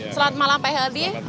selamat malam pak heldy